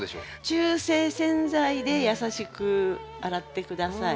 中性洗剤で優しく洗って下さい。